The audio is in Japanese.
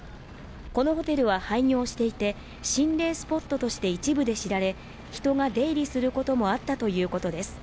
このホテルは廃業していて、心霊スポットとして一部で知られ人が出入りすることもあったということです。